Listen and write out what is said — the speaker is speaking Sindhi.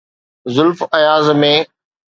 زلف اياز ۾.